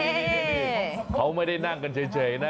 นี่เขาไม่ได้นั่งกันเฉยนะ